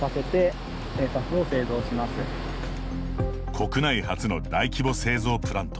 国内初の大規模製造プラント。